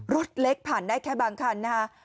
รถเล็กผ่านได้แค่บางคันนะฮะ